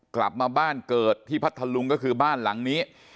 กลับมาบ้านเกิดที่พัทธลุงก็คือบ้านหลังนี้